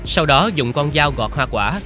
sau đó dùng con dao gọt hoa quả